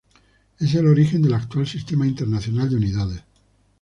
Es el origen del actual Sistema Internacional de Unidades.